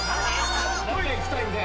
トイレ行きたいんで。